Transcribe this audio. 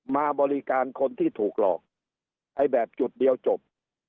มาบริการคนที่ถูกหลอกไอ้แบบจุดเดียวจบ